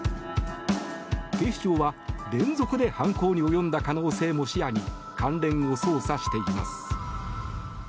警視庁は、連続で犯行に及んだ可能性も視野に関連を捜査しています。